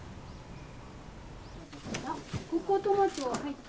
あっここトマトは入ってない？